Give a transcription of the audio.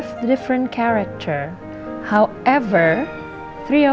semua tiga punya karakter yang berbeda